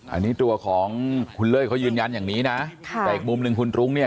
อันนี้ตัวของคุณเล่ยก็ยืนยันอย่างนี้นะให้คุณลุ้งเนี่ย